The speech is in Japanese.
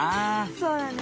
そうだね。